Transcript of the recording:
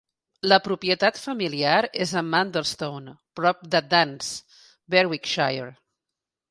La propietat familiar és a Manderston, prop de Duns, Berwickshire.